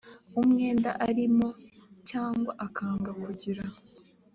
umwenda arimo cyangwa akanga kugira